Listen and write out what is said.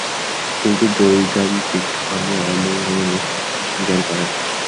কিন্তু বৈদান্তিক ধর্ম অমঙ্গলের অস্তিত্বই স্বীকার করে না।